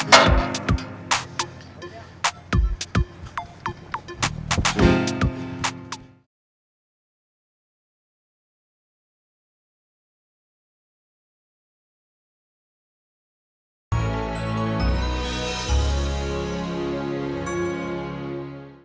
masih ada yang mukanya